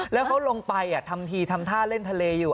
แล้วเขาลงไปทำทีทำท่าเล่นทะเลอยู่